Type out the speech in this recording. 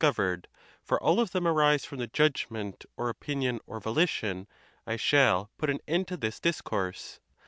covered, for all of them arise from the judgment or opin ion, or volition, I shall put an end to this discourse.